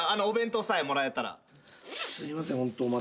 お弁当さえもらえたら。